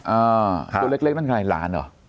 อ่าตัวเล็กนั่นคืออะไรหลานหรอ